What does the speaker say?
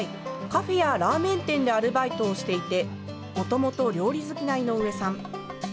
カフェやラーメン店でアルバイトをしていてもともと料理好きな井上さん。